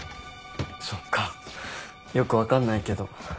そっかよく分かんないけど。